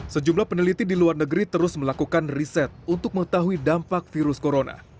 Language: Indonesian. sejumlah peneliti di luar negeri terus melakukan riset untuk mengetahui dampak virus corona